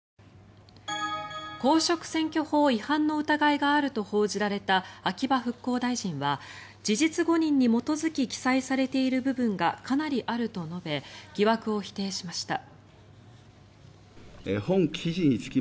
公職選挙法違反の疑いがあると報じられた秋葉復興大臣は事実誤認に基づき記載されている部分がかなりあると述べ疑惑を否定しました。